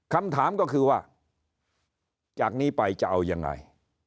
คำถามก็คือว่าจากนี้ไปจะเอายังไง